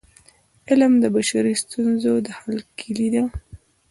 علم د بشري ستونزو د حل کيلي ده.